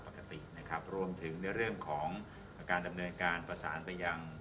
ปกตินะครับรวมถึงในเรื่องของการดำเนินการประสานไปยัง